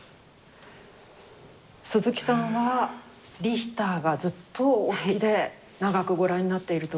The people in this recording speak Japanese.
鈴木さんはリヒターがずっとお好きで長くご覧になっていると伺っていますけれど。